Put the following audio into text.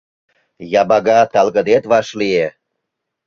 Ябага талгыдет вашлие.